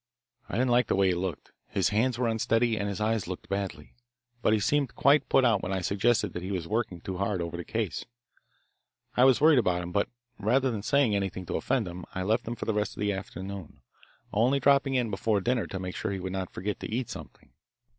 I didn't like the way he looked. His hand was unsteady, and his eyes looked badly, but he seemed quite put out when I suggested that he was working too hard over the case. I was worried about him, but rather than say anything to offend him I left him for the rest of the afternoon, only dropping in before dinner to make sure that he would not forget to eat something.